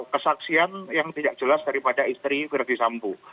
kesaksian yang tidak jelas daripada istri verdi sambo